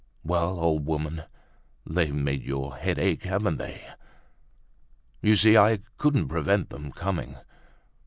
"Well, old woman, they've made your head ache, haven't they? You see I couldn't prevent them coming.